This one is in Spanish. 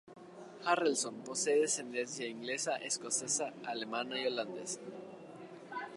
Harrelson posee ascendencia inglesa, escocesa, alemana y holandesa.